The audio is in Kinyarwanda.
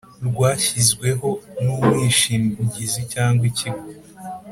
rwashyizweho n umwishingizi cyangwa ikigo